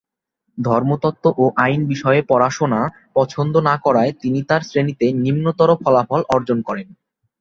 ধর্মতত্ত্ব ও আইন বিষয়ে পড়াশোনা পছন্দ না করায় তিনি তার শ্রেণিতে নিম্নতর ফলাফল অর্জন করেন।